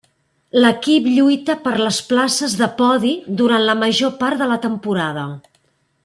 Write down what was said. L'equip lluita per les places de podi durant la major part de la temporada.